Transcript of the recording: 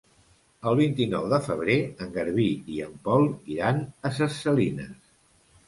El vint-i-nou de febrer en Garbí i en Pol iran a Ses Salines.